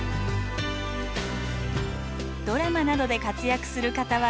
ドラマなどで活躍するかたわら